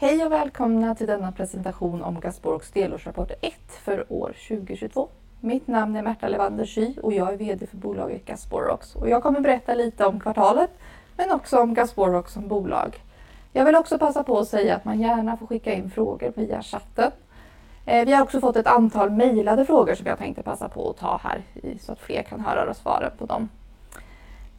Hej och välkomna till denna presentation om Gasporox delårsrapport 1 för år 2022. Mitt namn är Märta Lewander Xu och jag är vd för bolaget Gasporox. Jag kommer berätta lite om kvartalet men också om Gasporox som bolag. Jag vill också passa på att säga att man gärna får skicka in frågor via chatten. Vi har också fått ett antal mejlade frågor som jag tänkte passa på att ta här i så att fler kan höra svaren på dem.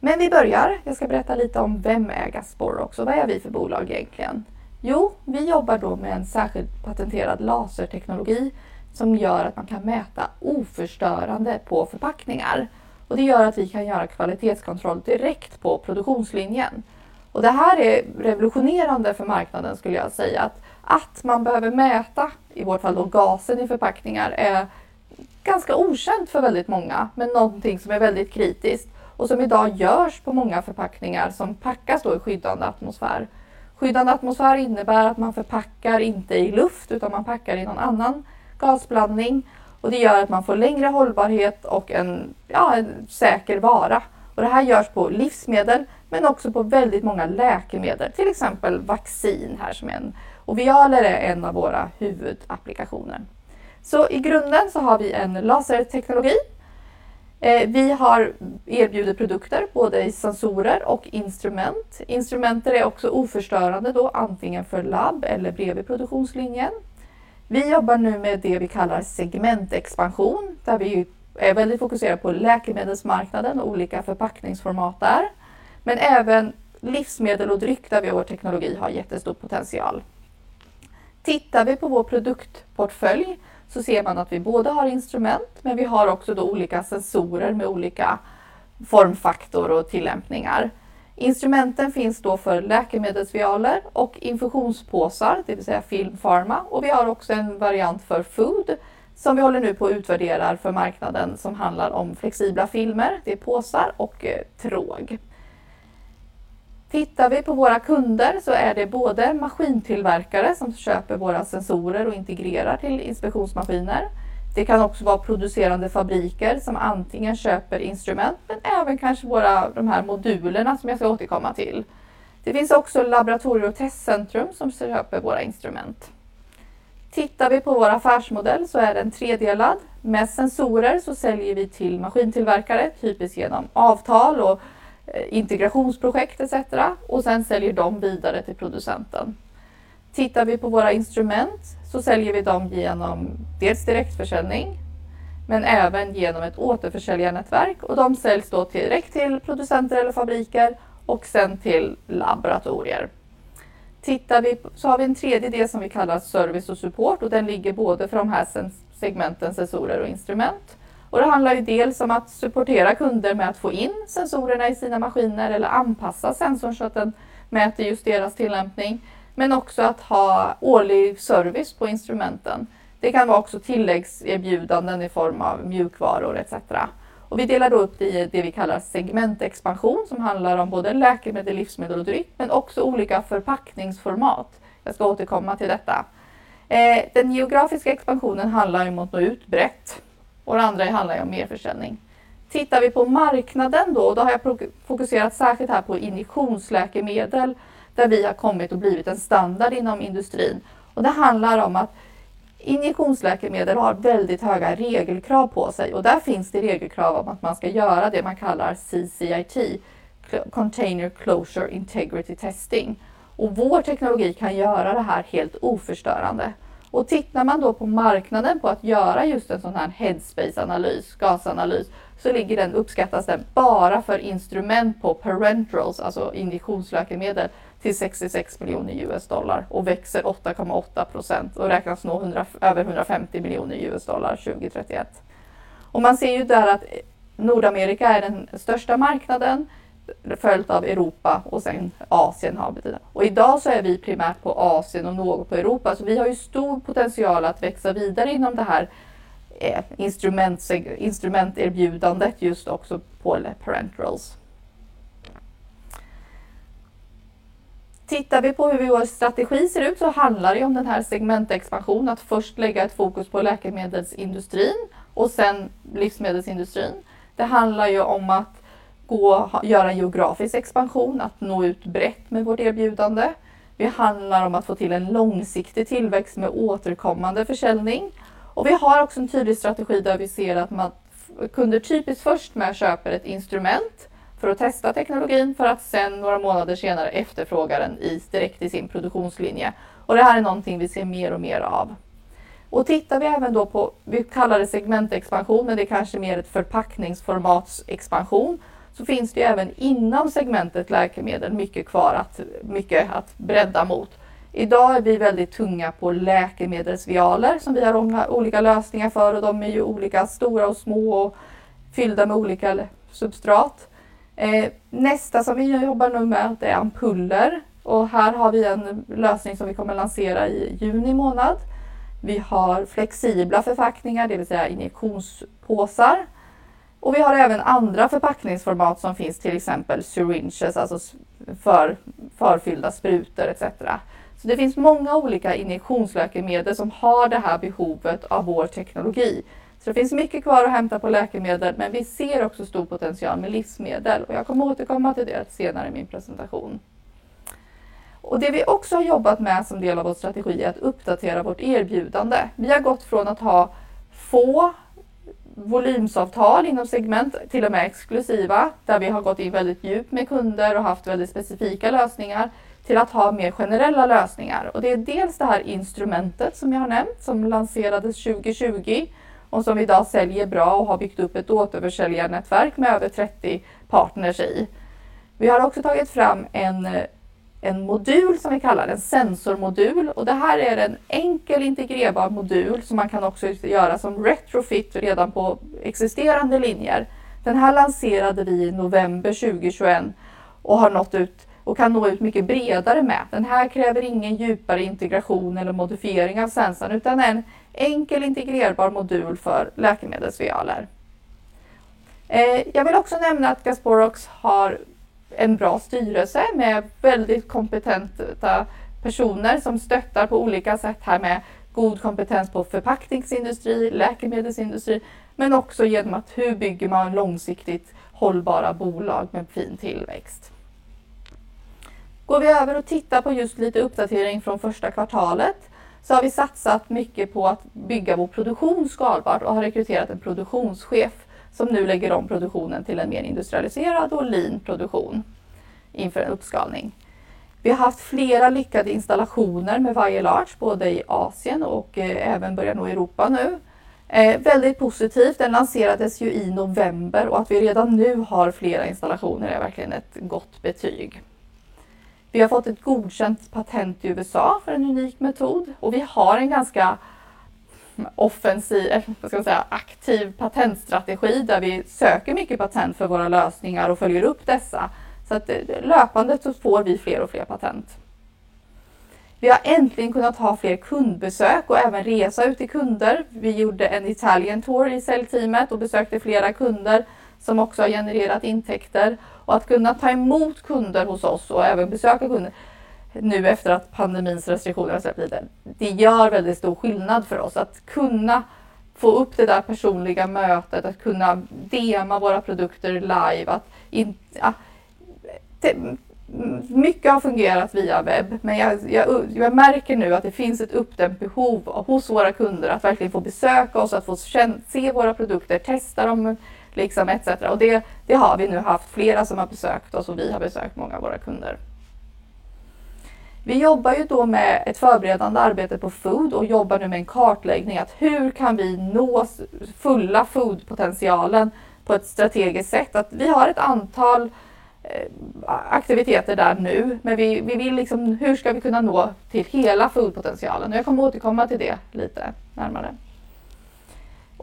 Vi börjar. Jag ska berätta lite om vem är Gasporox och vad är vi för bolag egentligen. Jo, vi jobbar då med en särskild patenterad laserteknologi som gör att man kan mäta oförstörande på förpackningar. Det gör att vi kan göra kvalitetskontroll direkt på produktionslinjen. Det här är revolutionerande för marknaden skulle jag säga. Att man behöver mäta, i vårt fall då gasen i förpackningar, är ganska okänt för väldigt många, men någonting som är väldigt kritiskt och som i dag görs på många förpackningar som packas då i skyddande atmosfär. Skyddande atmosfär innebär att man förpackar inte i luft utan man packar i någon annan gasblandning och det gör att man får längre hållbarhet och en säker vara. Det här görs på livsmedel men också på väldigt många läkemedel, till exempel vaccin här som en. Vialer är en av våra huvudapplikationer. I grunden har vi en laserteknologi. Vi erbjuder produkter både i sensorer och instrument. Instrument är också oförstörande då antingen för labb eller bredvid produktionslinjen. Vi jobbar nu med det vi kallar segment expansion, där vi är väldigt fokuserade på läkemedelsmarknaden och olika förpackningsformat där. Även livsmedel och dryck där vi har vår teknologi har jättestor potential. Tittar vi på vår produktportfölj så ser man att vi både har instrument, men vi har också då olika sensorer med olika formfaktor och tillämpningar. Instrumenten finns då för läkemedelsvialer och infusionspåsar, det vill säga Film Pharma. Vi har också en variant för food som vi håller nu på och utvärderar för marknaden som handlar om flexibla filmer. Det är påsar och tråg. Tittar vi på våra kunder så är det både maskintillverkare som köper våra sensorer och integrerar till inspektionsmaskiner. Det kan också vara producerande fabriker som antingen köper instrument, men även kanske våra, de här modulerna som jag ska återkomma till. Det finns också laboratorie- och testcentrum som köper våra instrument. Tittar vi på vår affärsmodell så är den tredelad. Med sensorer så säljer vi till maskintillverkare, typiskt genom avtal och integrationsprojekt et cetera. Sen säljer de vidare till producenten. Tittar vi på våra instrument så säljer vi dem genom dels direktförsäljning, men även genom ett återförsäljarnätverk. De säljs då direkt till producenter eller fabriker och sen till laboratorier. Har vi en tredje del som vi kallar service och support och den ligger både för de här segmenten, sensorer och instrument. Det handlar ju dels om att supportera kunder med att få in sensorerna i sina maskiner eller anpassa sensorn så att den mäter just deras tillämpning, men också att ha årlig service på instrumenten. Det kan vara också tilläggserbjudanden i form av mjukvaror et cetera. Vi delar då upp det i det vi kallar segmentexpansion som handlar om både läkemedel, livsmedel och dryck, men också olika förpackningsformat. Jag ska återkomma till detta. Den geografiska expansionen handlar ju om att nå ut brett och det andra handlar ju om merförsäljning. Tittar vi på marknaden då har jag fokuserat särskilt här på injektionsläkemedel, där vi har kommit och blivit en standard inom industrin. Det handlar om att injektionsläkemedel har väldigt höga regelkrav på sig och där finns det regelkrav om att man ska göra det man kallar CCIT, Container Closure Integrity Testing. Vår teknologi kan göra det här helt oförstörande. Tittar man då på marknaden på att göra just en sådan här headspace-analys, gasanalys, så ligger den, uppskattas den bara för instrument på parenterals, alltså injektionsläkemedel, till $66 million och växer 8.8% och räknas nå över $150 million 2031. Man ser ju där att Nordamerika är den största marknaden, följt av Europa och sen Asien. I dag så är vi primärt på Asien och något på Europa. Vi har ju stor potential att växa vidare inom det här instrumenterbjudandet, just också på parenterals. Tittar vi på hur vår strategi ser ut så handlar det om den här segmentexpansionen, att först lägga ett fokus på läkemedelsindustrin och sen livsmedelsindustrin. Det handlar ju om att gå, göra en geografisk expansion, att nå ut brett med vårt erbjudande. Det handlar om att få till en långsiktig tillväxt med återkommande försäljning. Vi har också en tydlig strategi där vi ser att man, kunder typiskt först mer köper ett instrument för att testa teknologin för att sen några månader senare efterfråga den i, direkt i sin produktionslinje. Det här är någonting vi ser mer och mer av. Tittar vi även då på, vi kallar det segmentexpansion, men det är kanske mer ett förpackningsformatsexpansion, så finns det även inom segmentet läkemedel mycket kvar att, mycket att bredda mot. I dag är vi väldigt tunga på läkemedelsvialer som vi har olika lösningar för och de är ju olika stora och små och fyllda med olika substrat. Nästa som vi jobbar nu med det är ampuller och här har vi en lösning som vi kommer lansera i juni månad. Vi har flexibla förpackningar, det vill säga injektionspåsar. Vi har även andra förpackningsformat som finns, till exempel syringes, alltså förförfyllda sprutor et cetera. Det finns många olika injektionsläkemedel som har det här behovet av vår teknologi. Det finns mycket kvar att hämta på läkemedel, men vi ser också stor potential med livsmedel och jag kommer återkomma till det senare i min presentation. Det vi också har jobbat med som del av vår strategi är att uppdatera vårt erbjudande. Vi har gått från att ha få volymsavtal inom segment, till och med exklusiva, där vi har gått in väldigt djupt med kunder och haft väldigt specifika lösningar, till att ha mer generella lösningar. Det är dels det här instrumentet som jag har nämnt som lanserades 2020 och som vi i dag säljer bra och har byggt upp ett återförsäljarnätverk med över trettio partners i. Vi har också tagit fram en modul som vi kallar en sensormodul och det här är en enkel integrerbar modul som man kan också göra som retrofit redan på existerande linjer. Den här lanserade vi i november 2021 och har nått ut och kan nå ut mycket bredare med. Den här kräver ingen djupare integration eller modifiering av sensorn, utan en enkel integrerbar modul för läkemedelsvialer. Jag vill också nämna att Gasporox har en bra styrelse med väldigt kompetenta personer som stöttar på olika sätt här med god kompetens på förpackningsindustri, läkemedelsindustri, men också igenom att hur bygger man långsiktigt hållbara bolag med fin tillväxt. Går vi över och tittar på just lite uppdatering från första kvartalet så har vi satsat mycket på att bygga vår produktion skalbart och har rekryterat en produktionschef som nu lägger om produktionen till en mer industrialiserad och lean produktion inför en uppskalning. Vi har haft flera lyckade installationer med VialArch, både i Asien och även börjar nå Europa nu. Väldigt positivt, den lanserades ju i november och att vi redan nu har flera installationer är verkligen ett gott betyg. Vi har fått ett godkänt patent i USA för en unik metod och vi har en ganska offensiv, vad ska jag säga, aktiv patentstrategi där vi söker mycket patent för våra lösningar och följer upp dessa. att löpande så får vi fler och fler patent. Vi har äntligen kunnat ha fler kundbesök och även resa ut till kunder. Vi gjorde en Italian tour i säljteamet och besökte flera kunder som också har genererat intäkter. att kunna ta emot kunder hos oss och även besöka kunder nu efter att pandemins restriktioner har slopats. Det gör väldigt stor skillnad för oss att kunna få upp det där personliga mötet, att kunna demoa våra produkter live. Mycket har fungerat via webb, men jag märker nu att det finns ett uppdämt behov hos våra kunder att verkligen få besöka oss, att få känna, se våra produkter, testa dem liksom et cetera. Det har vi nu haft flera som har besökt oss och vi har besökt många av våra kunder. Vi jobbar ju då med ett förberedande arbete på food och jobbar nu med en kartläggning att hur kan vi nå fulla food-potentialen på ett strategiskt sätt? Vi har ett antal aktiviteter där nu, men vi vill liksom, hur ska vi kunna nå till hela food-potentialen? Jag kommer återkomma till det lite närmare.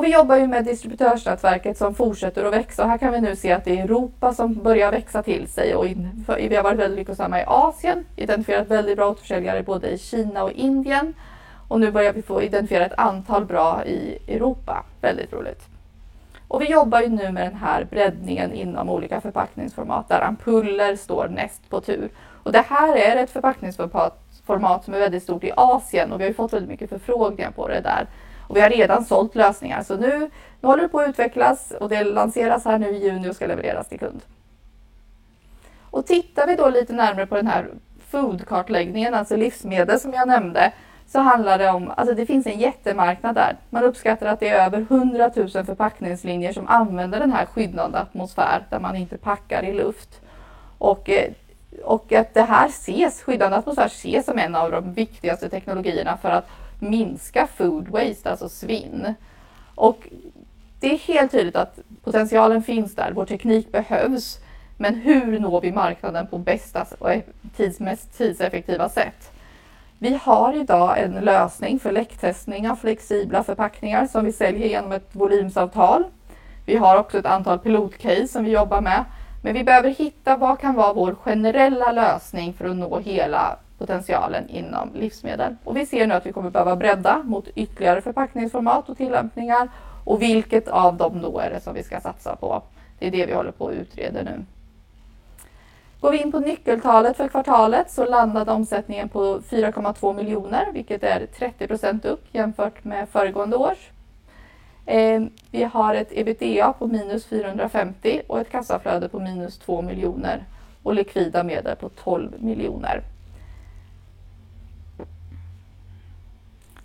Vi jobbar ju med distributörsnätverket som fortsätter att växa. Här kan vi nu se att det är Europa som börjar växa till sig. Vi har varit väldigt lyckosamma i Asien, identifierat väldigt bra återförsäljare både i Kina och Indien. Nu börjar vi få identifiera ett antal bra i Europa. Väldigt roligt. Vi jobbar ju nu med den här breddningen inom olika förpackningsformat där ampuller står näst på tur. Det här är ett förpackningsformat som är väldigt stort i Asien och vi har fått väldigt mycket förfrågningar på det där. Vi har redan sålt lösningar. Nu håller det på att utvecklas och det lanseras här nu i juni och ska levereras till kund. Tittar vi då lite närmare på den här food-kartläggningen, alltså livsmedel som jag nämnde, så handlar det om, alltså det finns en jättemarknad där. Man uppskattar att det är över 100,000 förpackningslinjer som använder den här skyddande atmosfär, där man inte packar i luft. Att det här ses, skyddande atmosfär ses som en av de viktigaste teknologierna för att minska food waste, alltså svinn. Det är helt tydligt att potentialen finns där. Vår teknik behövs, men hur når vi marknaden på bästa och mest tidseffektiva sätt? Vi har i dag en lösning för läcktestning av flexibla förpackningar som vi säljer genom ett volymavtal. Vi har också ett antal pilot-case som vi jobbar med, men vi behöver hitta vad kan vara vår generella lösning för att nå hela potentialen inom livsmedel. Vi ser nu att vi kommer behöva bredda mot ytterligare förpackningsformat och tillämpningar och vilket av dem då är det som vi ska satsa på. Det är det vi håller på att utreda nu. Går vi in på nyckeltalet för kvartalet så landade omsättningen på 4.2 miljoner, vilket är 30% upp jämfört med föregående år. Vi har ett EBITDA på -450 och ett kassaflöde på -2 miljoner och likvida medel på 12 miljoner.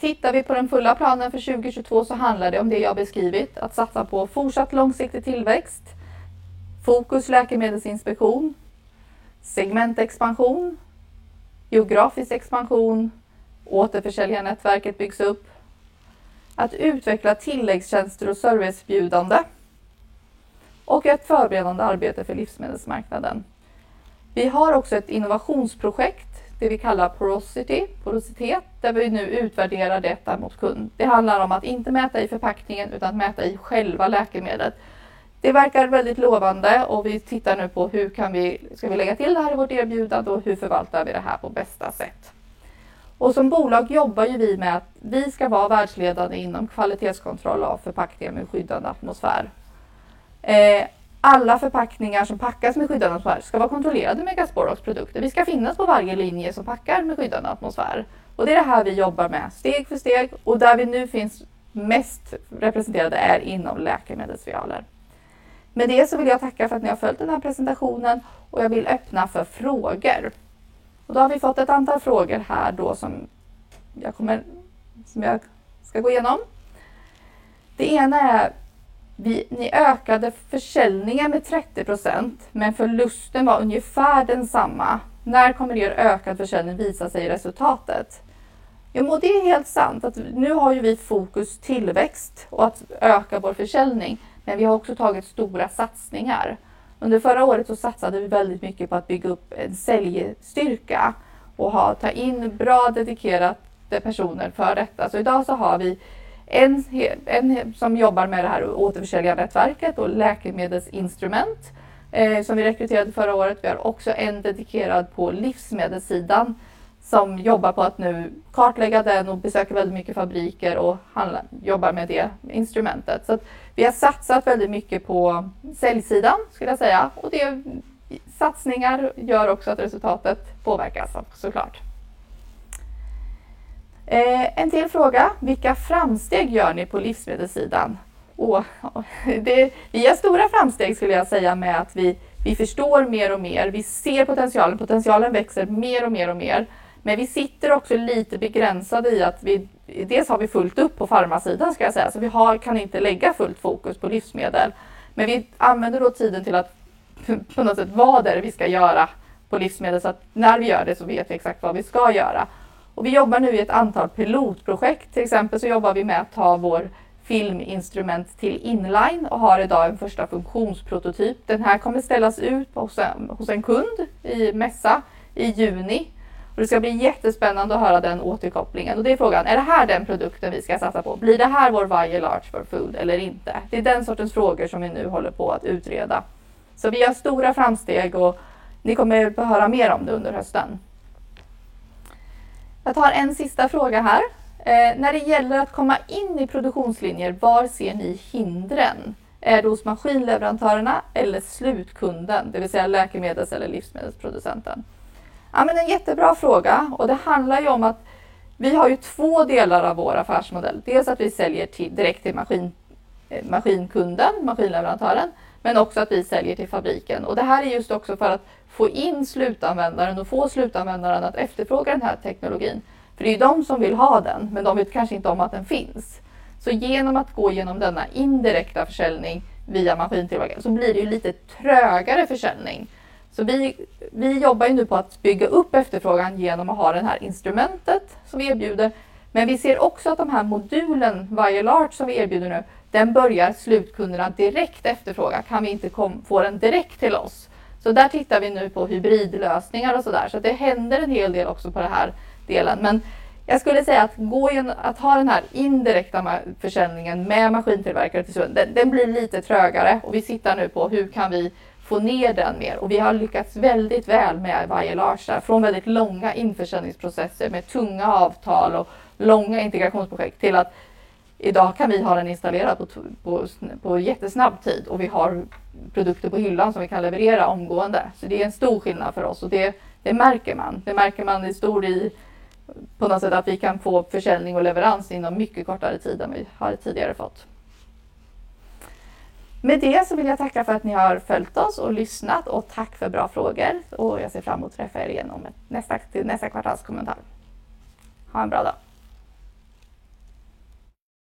Tittar vi på den fulla planen för 2022 så handlar det om det jag beskrivit. Att satsa på fortsatt långsiktig tillväxt, fokus läkemedelsinspektion, segmentexpansion, geografisk expansion, återförsäljarnätverket byggs upp, att utveckla tilläggstjänster och serviceerbjudande och ett förberedande arbete för livsmedelsmarknaden. Vi har också ett innovationsprojekt, det vi kallar porosity, porositet, där vi nu utvärderar detta mot kund. Det handlar om att inte mäta i förpackningen, utan mäta i själva läkemedlet. Det verkar väldigt lovande och vi tittar nu på hur kan vi, ska vi lägga till det här i vårt erbjudande och hur förvaltar vi det här på bästa sätt. Som bolag jobbar ju vi med att vi ska vara världsledande inom kvalitetskontroll av förpackningar med skyddande atmosfär. Alla förpackningar som packas med skyddande atmosfär ska vara kontrollerade med Gasporox produkter. Vi ska finnas på varje linje som packar med skyddande atmosfär. Det är det här vi jobbar med steg för steg och där vi nu finns mest representerade är inom läkemedelsvialer. Med det så vill jag tacka för att ni har följt den här presentationen och jag vill öppna för frågor. Då har vi fått ett antal frågor här då som jag kommer, som jag ska gå igenom. Det ena är, ni ökade försäljningen med 30%, men förlusten var ungefär densamma. När kommer er ökade försäljning visa sig i resultatet? Jo, men det är helt sant. Nu har ju vi fokus tillväxt och att öka vår försäljning, men vi har också tagit stora satsningar. Under förra året så satsade vi väldigt mycket på att bygga upp en säljstyrka och ta in bra dedikerade personer för detta. Så idag så har vi en som jobbar med det här återförsäljarnätverket och läkemedelsinstrument, som vi rekryterade förra året. Vi har också en dedikerad på livsmedelssidan som jobbar på att nu kartlägga den och besöker väldigt mycket fabriker och jobbar med det instrumentet. Så att vi har satsat väldigt mycket på säljsidan skulle jag säga. Och det, satsningar gör också att resultatet påverkas så klart. En till fråga: Vilka framsteg gör ni på livsmedelssidan? Vi gör stora framsteg skulle jag säga med att vi förstår mer och mer. Vi ser potentialen växer mer och mer och mer, men vi sitter också lite begränsade i att vi, dels har vi fullt upp på farmasidan ska jag säga. Vi har, kan inte lägga fullt fokus på livsmedel. Vi använder då tiden till att på något sätt, vad är det vi ska göra på livsmedel. Att när vi gör det så vet vi exakt vad vi ska göra. Vi jobbar nu i ett antal pilotprojekt. Till exempel så jobbar vi med att ta vår filminstrument till inline och har i dag en första funktionsprototyp. Den här kommer ställas ut hos en kund i mässa i juni. Det ska bli jättespännande att höra den återkopplingen. Det är frågan. Är det här den produkten vi ska satsa på? Blir det här vår VialArch for Food eller inte? Det är den sortens frågor som vi nu håller på att utreda. Vi gör stora framsteg och ni kommer att få höra mer om det under hösten. Jag tar en sista fråga här. när det gäller att komma in i produktionslinjer, var ser ni hindren? Är det hos maskinleverantörerna eller slutkunden, det vill säga läkemedels- eller livsmedelsproducenten? Ja, men en jättebra fråga och det handlar ju om att vi har ju två delar av vår affärsmodell. Dels att vi säljer till, direkt till maskin, maskinkunden, maskinleverantören, men också att vi säljer till fabriken. Det här är just också för att få in slutanvändaren och få slutanvändaren att efterfråga den här teknologin. För det är de som vill ha den, men de vet kanske inte om att den finns. Genom att gå igenom denna indirekta försäljning via maskintillverkare så blir det ju lite trögare försäljning. Vi jobbar ju nu på att bygga upp efterfrågan genom att ha det här instrumentet som vi erbjuder. Vi ser också att den här modulen, VialArch, som vi erbjuder nu, den börjar slutkunderna direkt efterfråga. Kan vi inte få den direkt till oss? Där tittar vi nu på hybridlösningar och sådär. Det händer en hel del också på den här delen. Jag skulle säga att att ha den här indirekta försäljningen med maskintillverkare, den blir lite trögare och vi tittar nu på hur kan vi få ner den mer. Vi har lyckats väldigt väl med VialArch där. Från väldigt långa införsäljningsprocesser med tunga avtal och långa integrationsprojekt till att i dag kan vi ha den installerad på jättesnabb tid och vi har produkter på hyllan som vi kan leverera omgående. Det är en stor skillnad för oss och det märker man. På något sätt att vi kan få försäljning och leverans inom mycket kortare tid än vi har tidigare fått. Med det så vill jag tacka för att ni har följt oss och lyssnat och tack för bra frågor och jag ser fram emot att träffa er igen till nästa kvartalskommentar. Ha en bra dag.